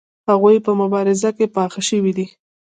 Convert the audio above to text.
هغوی په مبارزه کې پاخه شوي دي.